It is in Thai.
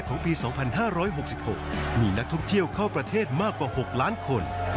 ปี๒๕๖๖มีนักท่องเที่ยวเข้าประเทศมากกว่า๖ล้านคน